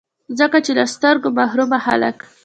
ځکه چي له سترګو محرومه خلګ